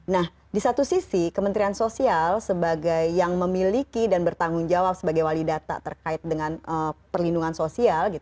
nah di satu sisi kementerian sosial sebagai yang memiliki dan bertanggung jawab sebagai wali data terkait dengan perlindungan sosial